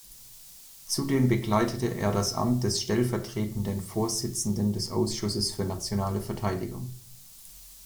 Zudem bekleidete er das Amt des stellvertretenden Vorsitzenden des Ausschusses für Nationale Verteidigung.